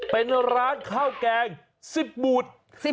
เป็นร้านข้าวแกง๑๐บูด